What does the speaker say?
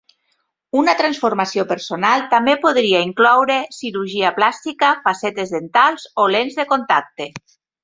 Una transformació personal també podria incloure cirurgia plàstica, facetes dentals o lents de contacte.